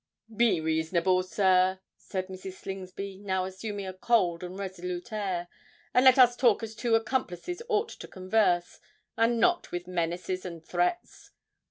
"Be reasonable, sir," said Mrs. Slingsby, now assuming a cold and resolute air; "and let us talk as two accomplices ought to converse—and not with menaces and threats."